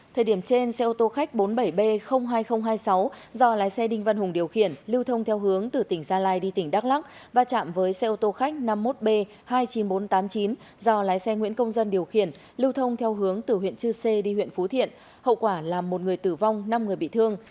thời điểm trên xe ô tô khách bốn mươi bảy b hai nghìn hai mươi sáu do lái xe đinh văn hùng điều khiển lưu thông theo hướng từ tỉnh gia lai đi tỉnh đắk lắc và chạm với xe ô tô khách năm mươi một b hai mươi chín nghìn bốn trăm tám mươi chín do lái xe nguyễn công dân điều khiển lưu thông theo hướng từ huyện chư sê đi huyện phú thiện hậu quả là một người tử vong năm người bị thương